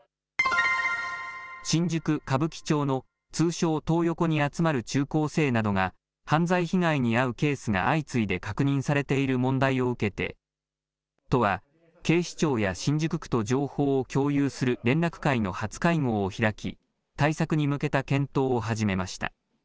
新宿・歌舞伎町の通称、トー横に集まる中高生などが、犯罪被害に遭うケースが相次いで確認されている問題を受けて、都は、警視庁や新宿区と情報を共有する連絡会の初会合を開き、対策に向けた検討を始めました。